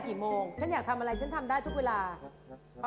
มีใจรักในการขนมไทยมาก